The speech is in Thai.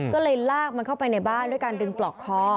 ก็เลยลากมันเข้าไปในบ้านด้วยการดึงปลอกคอ